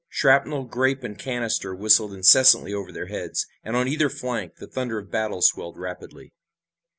Shrapnel, grape and canister whistled incessantly over their heads, and on either flank the thunder of the battle swelled rapidly.